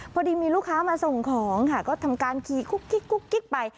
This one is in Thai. พอดีมีลูกค้ามาส่งของค่ะก็ทำการขี่กุ๊กกิ๊กไป